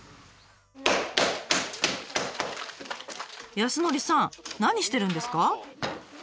康典さん何してるんですか？